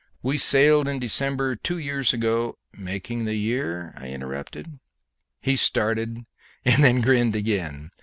We sailed in December two years ago " "Making the year ?" I interrupted. He started, and then grinned again.